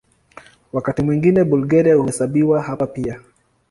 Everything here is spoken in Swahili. Wakati mwingine Bulgaria huhesabiwa hapa pia.